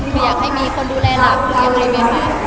คืออยากให้มีคนดูแลหลักอะไรไม่ฟะ